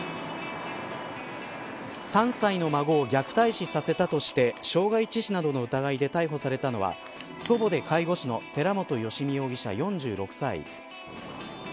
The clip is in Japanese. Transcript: ３歳の孫を虐待死させたとして傷害致死などの疑いで逮捕されたのは祖母で介護士の寺本由美容疑者、４６歳。